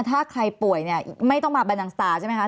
ถ้าใครป่วยเนี่ยไม่ต้องมาบันดังสตาร์ใช่ไหมคะ